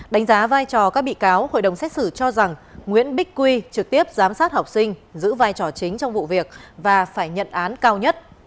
đánh giá vai trò các bị cáo hội đồng xét xử cho rằng nguyễn bích quy trực tiếp giám sát học sinh giữ vai trò chính trong vụ việc và phải nhận án cao nhất